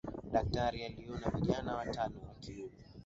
daktari aliona vijana watano wa kiume